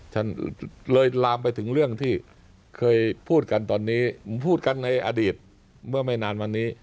ฉันเลยลามไปถึงเรื่องที่เคยพูดกันตอนนี้พูดกันในอดีตเมื่อไม่นานมานี้